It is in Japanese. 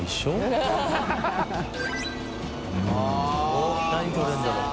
おっ何とれるんだろう？